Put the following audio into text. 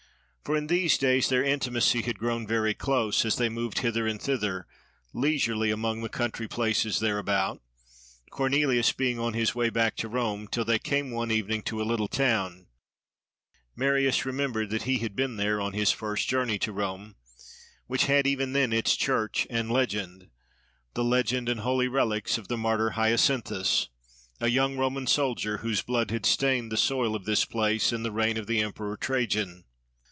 For in these days their intimacy had grown very close, as they moved hither and thither, leisurely, among the country places thereabout, Cornelius being on his way back to Rome, till they came one evening to a little town (Marius remembered that he had been there on his first journey to Rome) which had even then its church and legend—the legend and holy relics of the martyr Hyacinthus, a young Roman soldier, whose blood had stained the soil of this place in the reign of the emperor Trajan.